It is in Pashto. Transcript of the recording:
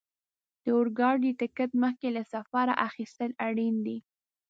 د اورګاډي ټکټ مخکې له سفره اخیستل اړین دي.